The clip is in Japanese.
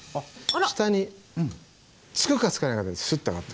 下につくかつかないかぐらいでスッて上がって。